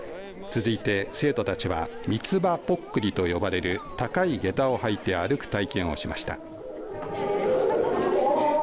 続いて、生徒たちは三つ歯ぽっくりと呼ばれる高いげたをはいて歩く体験をしました。